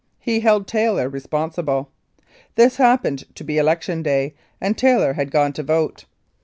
He held Taylor responsible. This happened to be election day, and Taylor had gone to vote.